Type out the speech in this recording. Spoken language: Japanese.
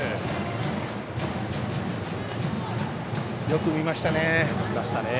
よく見ましたね。